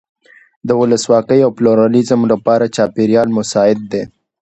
د ولسواکۍ او پلورالېزم لپاره چاپېریال مساعد دی.